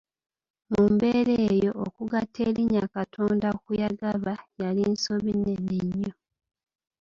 Mu mbeera eyo, okugatta erinnya “Katonda” ku “y’agaba” yali nsobi nnene nnyo.